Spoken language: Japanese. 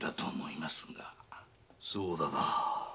そうだな。